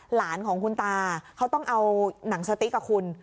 หลานของคุณตาเขาต้องเอาหนังสติ๊กกับคุณ